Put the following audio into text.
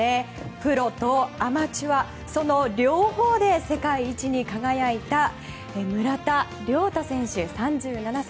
プロとアマチュアその両方で世界一に輝いた村田諒太選手、３７歳。